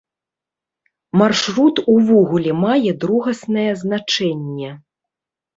Маршрут увогуле мае другаснае значэнне.